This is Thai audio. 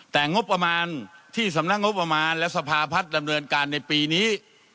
แต่งบประมาณที่สำนักงบประมาณและสภาพัฒน์ดำเนินการในปีนี้